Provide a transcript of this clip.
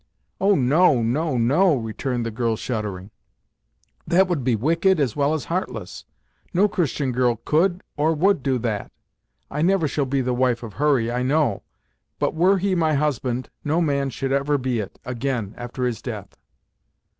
"Oh! no, no, no " returned the girl shuddering "That would be wicked as well as heartless! No Christian girl could, or would do that! I never shall be the wife of Hurry, I know, but were he my husband no man should ever be it, again, after his death!"